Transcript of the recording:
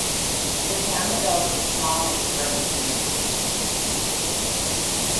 The town developed a small mixed-race community.